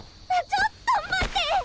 ちょっと待って！